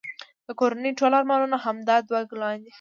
د کورنی ټول ارمانونه همدا دوه ګلان وه